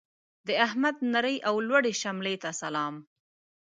د احمد نرې او لوړې شملې ته سلام.